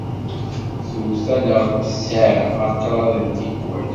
Twet-aneɣ ssiɛqa kraḍt n tikkal.